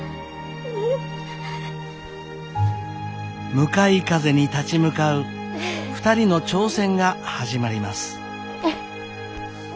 向かい風に立ち向かう２人の挑戦が始まります。